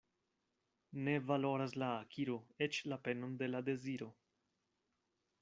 Ne valoras la akiro eĉ la penon de la deziro.